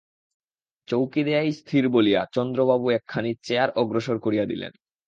চৌকি দেওয়াই স্থির বলিয়া চন্দ্রবাবু একখানি চেয়ার অগ্রসর করিয়া দিলেন।